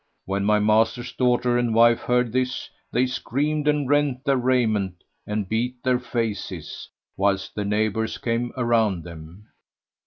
When my master's daughters and wife heard this, they screamed and rent their raiment and beat their faces, whilst the neighbours came around them.